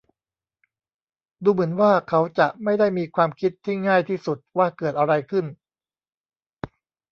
ดูเหมือนว่าเขาจะไม่ได้มีความคิดที่ง่ายที่สุดว่าเกิดอะไรขึ้น